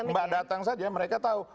mbak datang saja mereka tahu